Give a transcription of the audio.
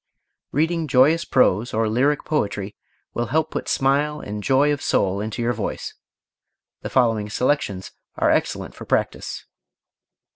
Reading joyous prose, or lyric poetry, will help put smile and joy of soul into your voice. The following selections are excellent for practise.